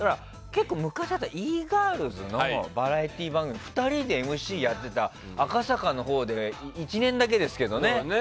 結構昔だとＥ‐ｇｉｒｌｓのバラエティー番組２人でＭＣやっていた赤坂のほうで１年だけですけどね